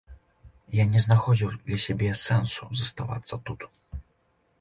Я не знаходзіў для сябе сэнсу заставацца тут.